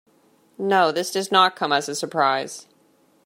No, this does not come as a surprise.